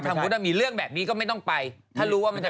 มันมีราคาเลจ